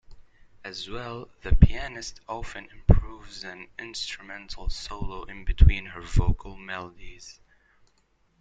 As well, the pianist often improvises an instrumental solo in between her vocal melodies.